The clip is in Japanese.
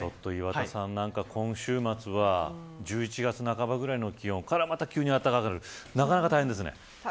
岩田さん、今週末は１１月半ばぐらいの気温からまた急に暖かくなる大変ですね。